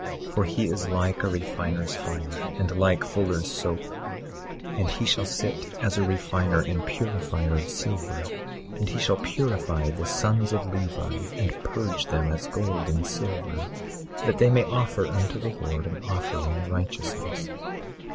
For he is like a refiner's fire, and like fuller's soap. 24:3 And he shall sit as a refiner and purifier of silver; and he shall purify the sons of Levi, and purge them as gold and silver, that they may offer unto the Lord an offering in righteousness.